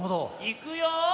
いくよ。